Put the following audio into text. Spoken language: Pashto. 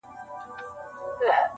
مطربه چي رباب درسره وینم نڅا راسي-